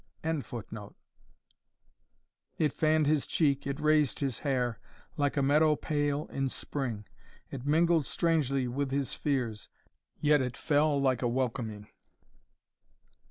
] It fann'd his cheek, it raised his hair, Like a meadow pale in spring; It mingled strangely with his fears, Yet it fell like a welcoming.